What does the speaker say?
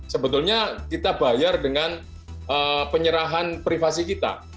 sebetulnya kita bayar dengan penyerahan privasi kita